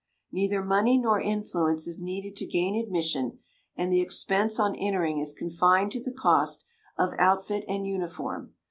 Neither money nor influence is needed to gain admission, and the expense on entering is confined to the cost of outfit and uniform.